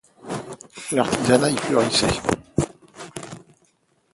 L'artisanat y est florissant.